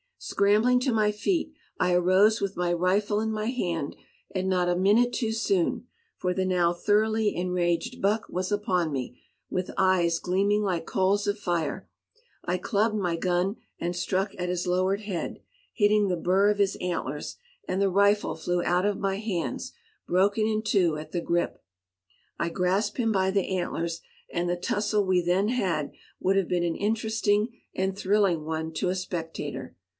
Scrambling to my feet, I arose with my rifle in my hand, and not a minute too soon, for the now thoroughly enraged buck was upon me, with eyes gleaming like coals of fire. I clubbed my gun and struck at his lowered head, hitting the bur of his antlers; and the rifle flew out of my hands, broken in two at the grip. I grasped him by the antlers, and the tussle we then had would have been an interesting and thrilling one to a spectator.